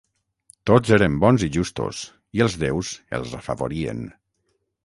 Tots eren bons i justos, i els déus els afavorien.